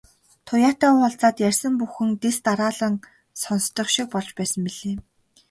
Туяатай уулзаад ярьсан бүхэн дэс дараалан сонстох шиг болж байсан билээ.